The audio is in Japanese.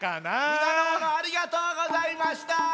みなのものありがとうございました！